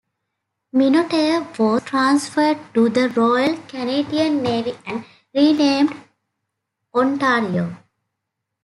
"Minotaur" was transferred to the Royal Canadian Navy and renamed "Ontario".